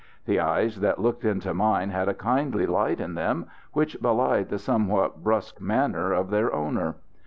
The eyes that looked into mine had a kindly light in them, which belied the somewhat brusque manner of their owner.